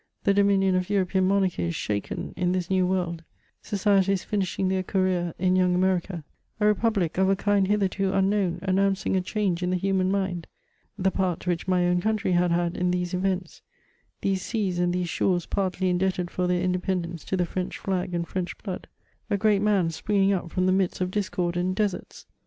the dominion of European monarchies shaken in this New World ;— societies finishing their career in 252 MEMOIRS OF young America ;— a republic, of a kind hitherto unknown, an nouncing a change in the human mind ;— the part which mj own country had had in these events ;— these seas and these shores partly indebted for their independence to the French flag and French blood ;— a great man springing up from the midst of discord and deserts!